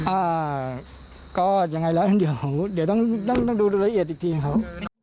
อ่าก็ยังไงแล้วเดี๋ยวต้องต้องดูละเอียดอีกทีครับ